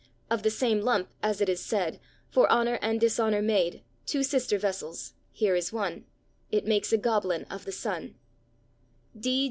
… Of the same lump (as it is said) For honour and dishonour made, Two sister vessels. Here is one. It makes a goblin of the sun."